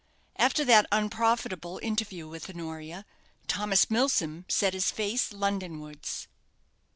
After that unprofitable interview with Honoria, Thomas Milsom his face Londonwards.